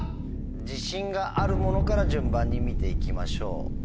⁉自信があるものから順番に見て行きましょう。